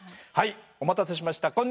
はいお待たせしました。